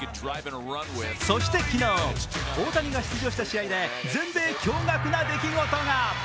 そして昨日、大谷が出場した試合で全米驚がくな出来事が！